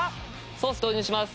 ソース投入します。